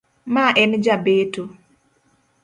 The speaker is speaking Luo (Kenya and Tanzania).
Ma en jabeto.